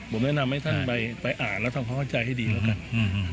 ผมแนะนำให้ท่านไปไปอ่านแล้วทำความเข้าใจให้ดีแล้วกันอืม